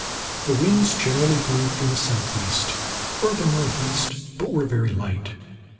The winds generally blew from the southeast, or the northeast, but were very light.